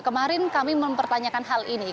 kemarin kami mempertanyakan hal ini